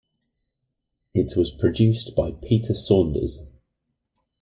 It was produced by Peter Saunders.